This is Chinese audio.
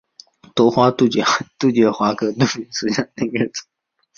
多花杜鹃为杜鹃花科杜鹃属下的一个种。